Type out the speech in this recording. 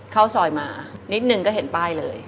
เข้าซอยมานิดนึงก็เห็นป้ายเลย